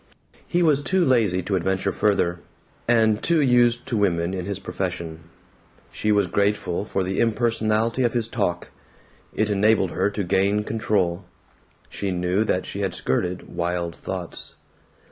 He was too lazy to adventure further and too used to women in his profession. She was grateful for the impersonality of his talk. It enabled her to gain control. She knew that she had skirted wild thoughts.